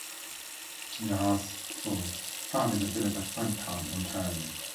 He also founded a village at Franktown, Ontario.